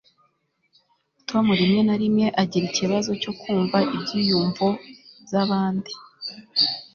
tom rimwe na rimwe agira ikibazo cyo kumva ibyiyumvo byabandi